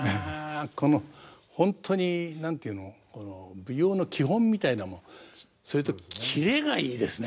このほんとに何て言うのこの舞踊の基本みたいなものそれとキレがいいですね。